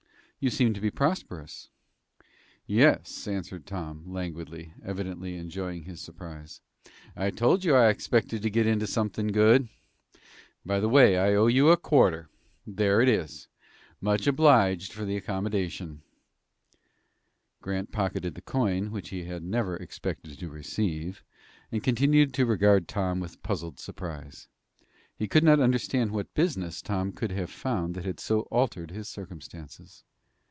You seem to be prosperous." "Yes," answered Tom, languidly, evidently enjoying his surprise. "I told you I expected to get into something good. By the way, I owe you a quarter there it is. Much obliged for the accommodation." Grant pocketed the coin, which he had never expected to receive, and continued to regard Tom with puzzled surprise. He could not understand what business Tom could have found that had so altered his circumstances.